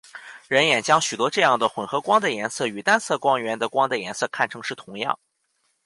人眼将许多这样的混合光的颜色与单色光源的光的颜色看成是同样。